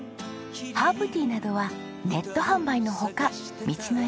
ハーブティーなどはネット販売の他道の駅